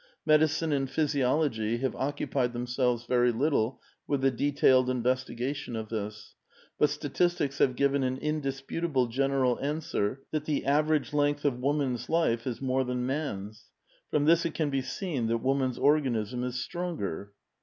Medi cine and pliysiology have occupied themselves very little with the detailed investigation of this ; but statistics have given an indisputable general answer that the average length of woman's life is more than man's. From this it can be seen that woman's organism is stronger."